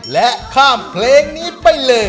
และข้ามเพลงนี้ไปเลย